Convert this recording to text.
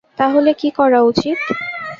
তাহলে কী করা উচিত?